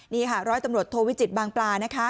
นี่ก็ร้อยตำรวจโทษวิจิตอบบางปลาย